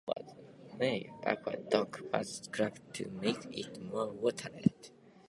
The gate between forward and backward dock was caulked to make it more watertight.